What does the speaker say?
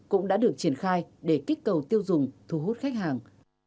cũng đã được triển khai để kích cầu tiêu dùng thu hút khách hàng